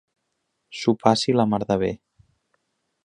S'ho passi la mar de bé.